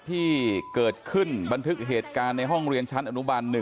ที่เกิดขึ้นบันทึกเหตุการณ์ในห้องเรียนชั้นอนุบัน๑